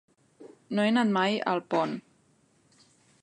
No he anat mai a Alpont.